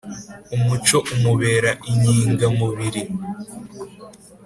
Umuco umubera inkinga mubiri